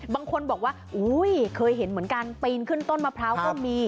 บางคนบอกว่าอุ้ยเคยเห็นเหมือนกันปีนขึ้นต้นมะพร้าวก็มี